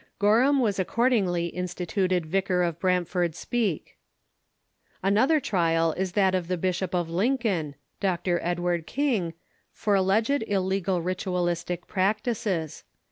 Gor ham was accordingly instituted vicar of Jsrampford Spcke. Another trial is that of the Bishop of Lincoln, Dr. Edward King, for alleged illegal ritualistic practices.